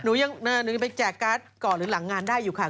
หนูยังหนูจะไปแจกการ์ดก่อนหรือหลังงานได้อยู่ค่ะ